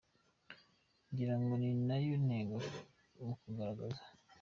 Ngira ngo ni nayo ntego mu kugaragaza.